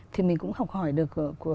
thì mình cũng học hỏi được của học sinh